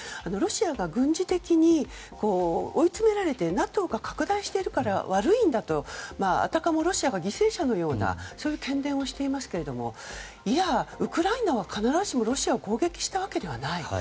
ロシアが軍事的に追い詰められてＮＡＴＯが拡大しているから悪いんだとあたかもロシアが犠牲者のような喧伝をしていますがいや、ウクライナは必ずしもロシアを攻撃したわけではない。